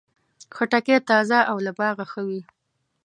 خټکی تازه او له باغه ښه وي.